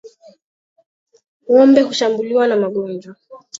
Ngombe hushambuliwa na magonjwa